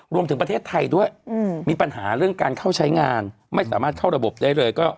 รวมถึงประเทศไทยด้วยมีปัญหาเรื่องการเข้าใช้งานไม่สามารถเข้าระบบได้เลย